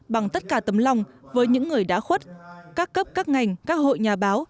bằng tất cả tấm lòng với những người đã khuất các cấp các ngành các hội nhà báo